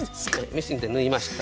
ミシンで縫いました。